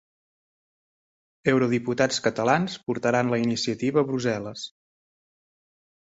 Eurodiputats catalans portaran la iniciativa a Brussel·les